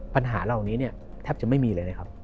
ปัญหาเราตรงนี้แทบจะไม่มีเลยนะครับ